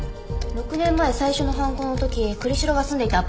６年前最初の犯行の時栗城が住んでいたアパートです。